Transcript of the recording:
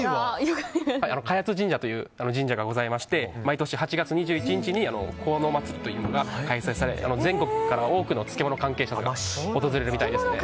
萱津神社という神社がございまして毎年８月２１日に香の物祭というのが開催され全国から多くの漬物関係者が訪れるようですね。